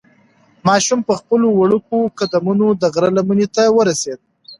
ماشوم په خپلو وړوکو قدمونو د غره لمنې ته ورسېد.